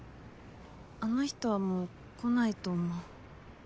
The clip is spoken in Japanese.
あの人はもう来ないと思う。